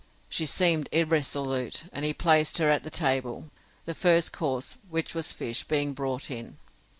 —She seemed irresolute, and he placed her at the table; the first course, which was fish, being brought in.